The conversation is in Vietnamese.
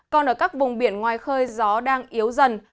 còn ở các vùng biển ngoài khơi gió đang yếu dần